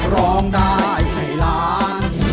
ร้องได้ให้ล้าน